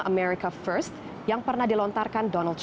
amerika first yang pernah dilontarkan donald tru